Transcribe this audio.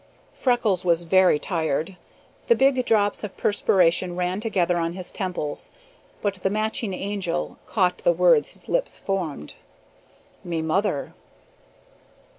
Freckles was very tired; the big drops of perspiration ran together on his temples; but the watching Angel caught the words his lips formed, "Me mother!"